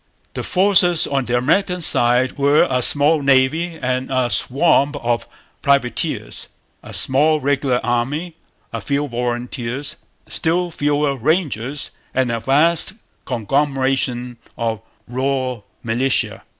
The forces on the American side were a small navy and a swarm of privateers, a small regular army, a few 'volunteers,' still fewer 'rangers,' and a vast conglomeration of raw militia.